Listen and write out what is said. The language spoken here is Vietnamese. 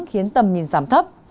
khiến tầm nhìn giảm thấp